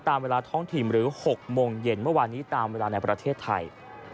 ตามเวลาท้องถิ่นหรือ๖โมงเย็นเมื่อวานนี้ตามเวลาในประเทศไทย